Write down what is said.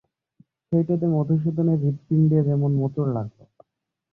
সেইটেতে মধুসূদনের হৃৎপিণ্ডে যেন মোচড় লাগল।